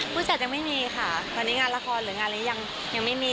ผู้จัดยังไม่มีค่ะตอนนี้งานละครหรืองานนี้ยังไม่มี